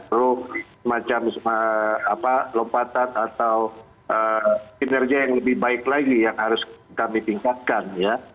perlu semacam lompatan atau kinerja yang lebih baik lagi yang harus kami tingkatkan ya